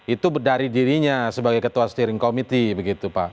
itu dari dirinya sebagai ketua steering committee begitu pak